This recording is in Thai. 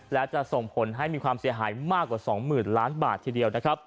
และจะส่งผลให้มีความเสียหายมากกว่า๒๐๐๐ล้านบาททีเดียวนะครับ